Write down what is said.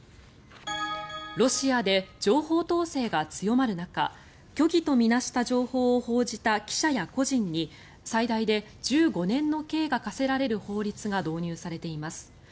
ロシアで情報統制が強まる中虚偽と見なした情報を報じた記者や個人に最大で１５年の刑が科せられる法律が導入されています。